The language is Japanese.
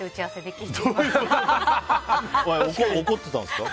って怒ってたんですか？